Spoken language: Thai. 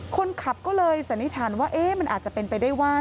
คนขับก็เลยสันนิษฐานว่ามันอาจจะเป็นไปได้ว่า